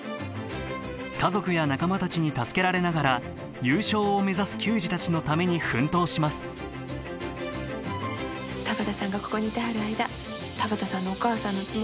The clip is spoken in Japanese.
家族や仲間たちに助けられながら優勝を目指す球児たちのために奮闘します田畑さんがここにいてはる間田畑さんのお母さんのつもりで私応援してますさかい。